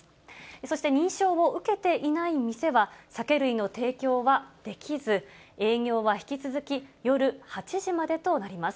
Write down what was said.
そして認証を受けていない店は、酒類の提供はできず、営業は引き続き夜８時までとなります。